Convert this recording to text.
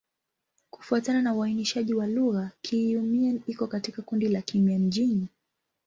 Kufuatana na uainishaji wa lugha, Kiiu-Mien iko katika kundi la Kimian-Jin.